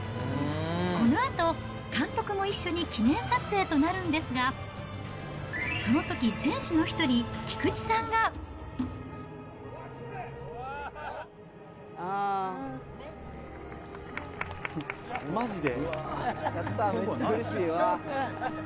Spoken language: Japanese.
このあと監督も一緒に記念撮影となるんですが、そのとき選手の１人、菊池さんが。おお、まじで？